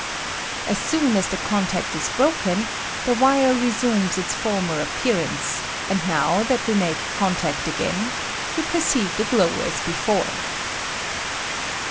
As soon as the contact ia broken, the wire resumes its former appearance ; and now that we make contact again, you perceive the glow as before.